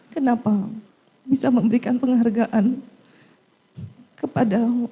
kenapa bisa memberikan penghargaan kepada